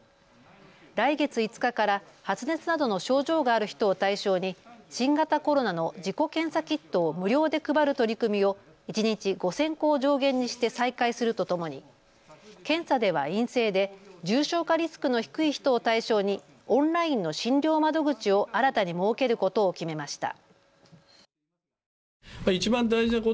来月５日から発熱などの症状がある人を対象に新型コロナの自己検査キットを無料で配る取り組みを一日５０００個を上限にして再開するとともに検査では陰性で重症化リスクの低い人を対象にオンラインの診療窓口を新たに設けることを決めました。